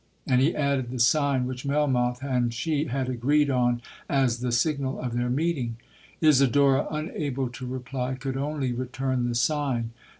and he added the sign which Melmoth and she had agreed on as the signal of their meeting. Isidora, unable to reply, could only return the sign.